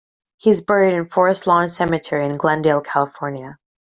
He is buried in Forest Lawn Cemetery in Glendale, California.